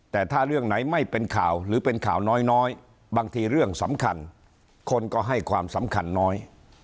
แต่ถ้าเรื่องไหนไม่เป็นข่าวหรือเป็นข่าวน้อยบางทีเรื่องสำคัญคนก็ให้ความสำคัญน้อย